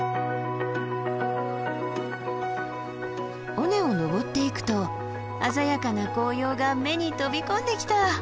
尾根を登っていくと鮮やかな紅葉が目に飛び込んできた！